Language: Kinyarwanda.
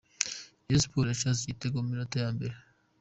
Rayon Sports yashatse igitego mu minota ya mbere.